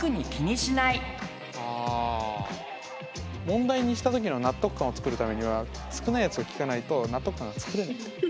問題にした時の納得感をつくるためには少ないやつを聞かないと納得感がつくれない。